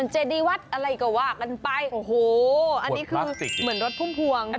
รถที่แบบขายของ